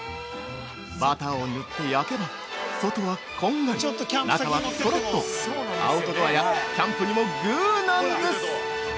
バターを塗って焼けば外はこんがり、中はとろっとアウトドアやキャンプにもグーなんです！